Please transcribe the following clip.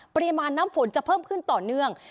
ปริมาณน้ำฝนจะเพิ่มขึ้นต่อเนื่อง